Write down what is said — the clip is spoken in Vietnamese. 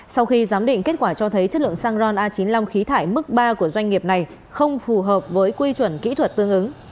sau khi giám định kết quả cho thấy chất lượng xăng ron a chín mươi năm khí thải mức ba của doanh nghiệp này không phù hợp với quy chuẩn kỹ thuật tương ứng